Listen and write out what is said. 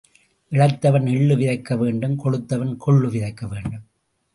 இளைத்தவன் எள்ளு விதைக்க வேண்டும் கொழுத்தவன் கொள்ளு விதைக்க வேண்டும்.